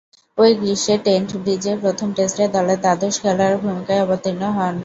ঐ গ্রীষ্মে ট্রেন্ট ব্রিজে প্রথম টেস্টে দলের দ্বাদশ খেলোয়াড়ের ভূমিকায় অবতীর্ণ হন।